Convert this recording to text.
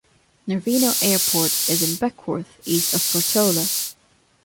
Nervino Airport is in Beckwourth, east of Portola.